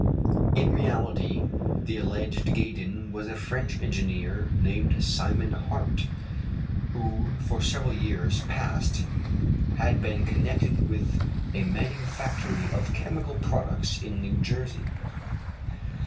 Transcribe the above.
In reality the alleged Gaydon was a French engineer named Simon Hart, who for several years past had been connected with a manufactory of chemical products in New Jersey.